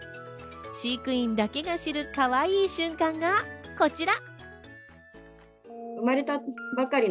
飼育員だけが知る、かわいい瞬間がこちら。